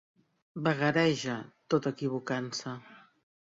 Vagareja tot equivocant-se.